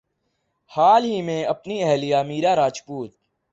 حال ہی میں اپنی اہلیہ میرا راجپوت